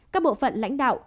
các bộ phận lãnh đạo